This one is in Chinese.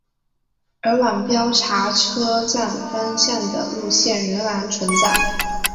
而往标茶车站方向的路线仍然存在。